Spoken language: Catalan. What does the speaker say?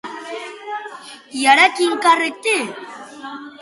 I ara quin càrrec té?